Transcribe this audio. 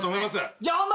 じゃあ本番。